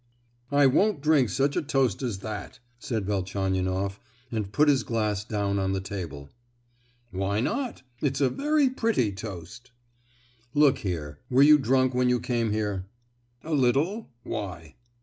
"I won't drink such a toast as that!" said Velchaninoff; and put his glass down on the table. "Why not? It's a very pretty toast." "Look here, were you drunk when you came here?" "A little; why?"